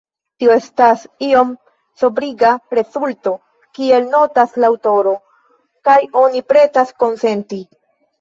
Tio estas iom sobriga rezulto, kiel notas la aŭtoroj, kaj oni pretas konsenti.